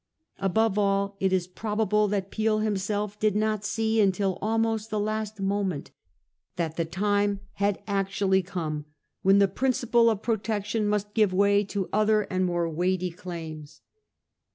Above all, it is probable that Peel himself did not see until almost the last moment that the time had actually come when the principle of pro 1841 — 6 . THE PROSPECTS OF THE LEAGUE. 359 tection must give way to other and more weighty claims.